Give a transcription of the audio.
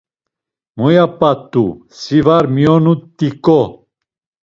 Muya p̌at̆u, si var miyonut̆iǩo.